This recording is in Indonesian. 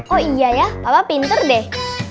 oh iya ya papa pinter deh